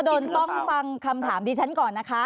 คุณนกพะโดนต้องฟังคำถามที่ฉันก่อนนะคะ